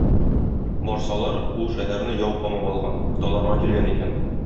Барсалар, ул шәһәрне яу камап алган, таларга килгән икән.